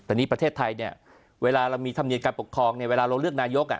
แต่นี่ประเทศไทยเนี่ยเวลาเรามีธรรมเนียมการปกครองเวลาเราเลือกนายก